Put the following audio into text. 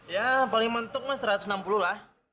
ya paling mentuk mas satu ratus enam puluh lah